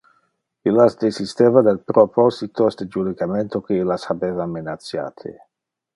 Illas desisteva del propositos de judicamento que illas habeva menaciate.